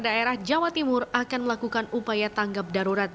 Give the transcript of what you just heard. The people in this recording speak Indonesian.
daerah jawa timur akan melakukan upaya tanggap darurat